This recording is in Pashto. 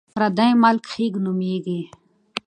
پردی ملک خیګ نومېږي.